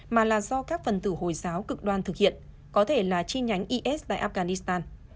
mà là do các phần tử hồi giáo cực đoan thực hiện có thể là chi nhánh is tại afghanistan